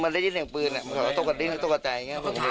มันไม่ได้ยิงอย่างปืนอ่ะมันต้องกระดิ้งอย่างตกกระจายอย่างเงี้ย